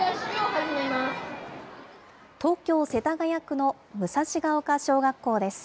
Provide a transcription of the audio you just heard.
東京・世田谷区の武蔵丘小学校です。